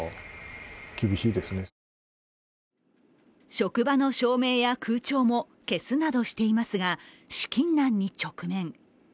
職場の照明や空調も消すなどしていますが資金難に直面。